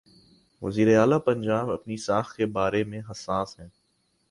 وزیر اعلی پنجاب اپنی ساکھ کے بارے میں حساس ہیں۔